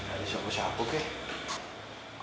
ada siapa siapa keh